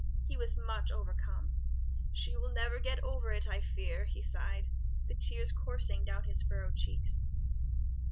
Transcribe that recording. He was much overcome. "She will never get over it, I fear," he sighed, the tears coursing down his furrowed cheeks.